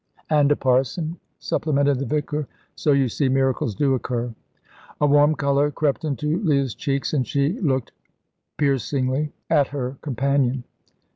"And a parson," supplemented the vicar; "so, you see, miracles do occur." A warm colour crept into Leah's cheeks, and she looked piercingly at her companion.